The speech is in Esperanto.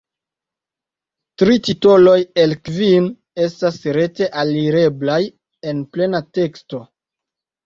Tri titoloj el kvin estas rete alireblaj en plena teksto.